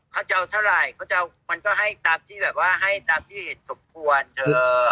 เขาจะเอาเท่าไหร่เค้าจะเอามันก็ให้ตามที่เห็นสมควรเธอ